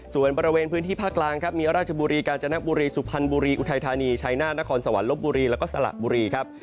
ส่วนบริเวณพื้นที่ภาคล่างมีอราชบุรีกาญจนกบุรีสุพันธ์บุรีอุดรารธานีไชนธนาครสวรรค์ลบบุรีและสละบุรีครับ